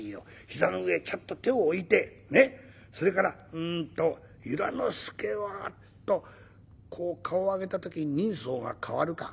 膝の上へちゃんと手を置いてそれからうんと『由良之助は』とこう顔を上げた時に人相が変わるか。